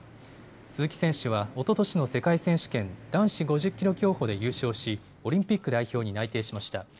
鈴木選手はおととしの世界選手権、男子５０キロ競歩で優勝しオリンピック代表に内定しました。